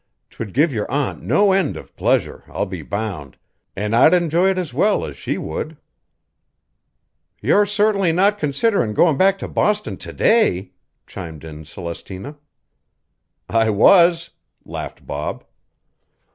'Twould give your aunt no end of pleasure, I'll be bound, an' I'd enjoy it as well as she would." "You're certainly not considerin' goin' back to Boston today!" chimed in Celestina. "I was," laughed Bob.